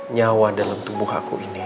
nyawa dalam tubuh aku ini